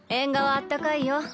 あったかいよ。